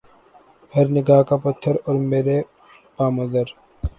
ہر نگاہ کا پتھر اور میرے بام و در